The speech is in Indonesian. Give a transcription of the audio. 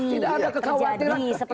tidak ada kekhawatiran